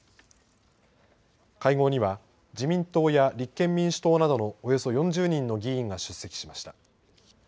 会合には自民党や立憲民主党などのおよそ４０人の議員が出席しました。